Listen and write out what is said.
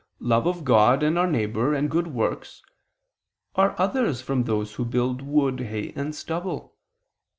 love of God and our neighbor, and good works, are others from those who build wood, hay, and stubble.